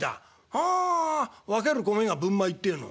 「はあ分ける米が分米ってえの。